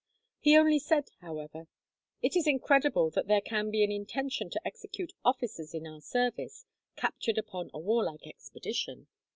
He only said, however, "It is incredible that there can be an intention to execute officers in our service, captured upon a warlike expedition."